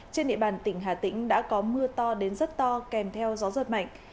trên địa bàn tỉnh hà tĩnh đã có mưa to đến rất to kèm theo gió giật mạnh